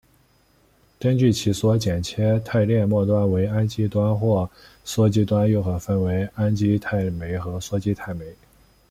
根据其所剪切肽链末端为氨基端或羧基端又可分为氨基肽酶和羧基肽酶。